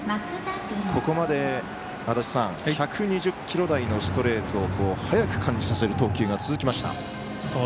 ここまで１２０キロ台のストレートを速く感じさせる投球が続きました。